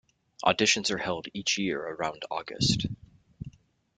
Auditions are held each year around August.